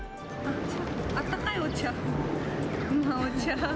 あったかいお茶を、こんなお茶。